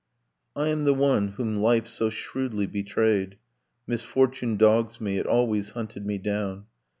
'I am the one whom life so shrewdly betrayed, Misfortune dogs me, it always hunted me down.